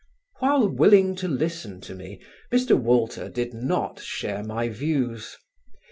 While willing to listen to me, Mr. Walter did not share my views.